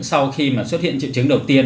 sau khi mà xuất hiện triệu chứng đầu tiên